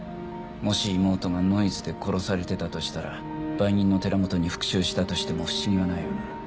もし妹がノイズで殺されてたとしたら売人の寺本に復讐したとしても不思議はないわな。